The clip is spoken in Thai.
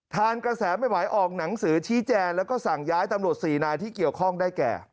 กระแสไม่ไหวออกหนังสือชี้แจงแล้วก็สั่งย้ายตำรวจสี่นายที่เกี่ยวข้องได้แก่